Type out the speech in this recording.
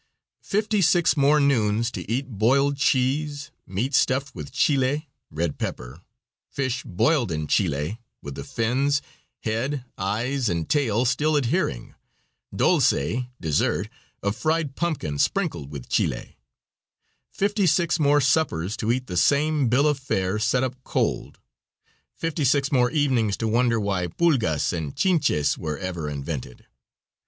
Fifty six more noons to eat boiled cheese, meat stuffed with chili (red pepper), fish boiled in chili, with the fins, head, eyes, and tail still adhering, dolce (dessert) of fried pumpkin sprinkled with chili; fifty six more suppers to eat the same bill of fare set up cold; fifty six more evenings to wonder why pulgras and chinches were ever invented.